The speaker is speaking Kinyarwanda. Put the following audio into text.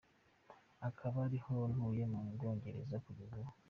Akaba ariho ntuye mu Bwongereza kugeza ubu.